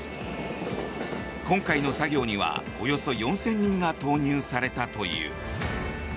今回の作業にはおよそ４０００人が投入されたという。